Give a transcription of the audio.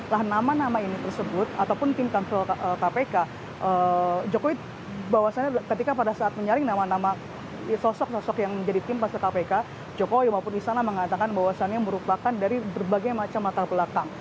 nah nama nama ini tersebut ataupun tim konsul kpk jokowi bahwasannya ketika pada saat menyaring nama nama sosok sosok yang menjadi tim fase kpk jokowi maupun di sana mengatakan bahwasannya merupakan dari berbagai macam mata belakang